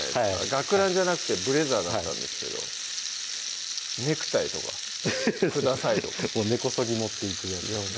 学ランじゃなくてブレザーだったんですけどネクタイとか「ください」とか根こそぎ持っていくやつですね